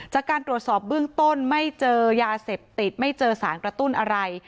จากการตรวจสอบเบื้องต้นไม่เจอยาเสพติดไม่เจอสารกระตุ้นอะไร